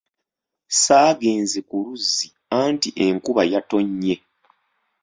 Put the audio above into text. Saagenze ku luzzi anti enkuba yatonnye.